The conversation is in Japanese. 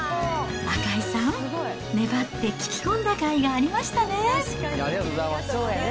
赤井さん、粘って聞き込んだかいがありましたね。